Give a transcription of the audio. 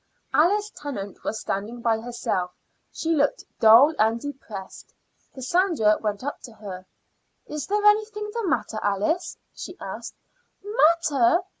Alice Tennant was standing by herself; she looked dull and depressed. Cassandra went up to her. "It there anything the matter, Alice?" she asked. "Matter!"